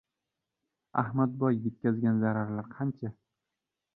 «Ahmadboy» yetkazgan zararlar qancha?